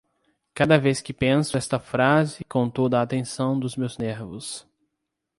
Cada vez que penso esta frase com toda a atenção dos meus nervos